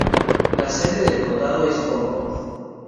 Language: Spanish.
La sede del condado es Concord.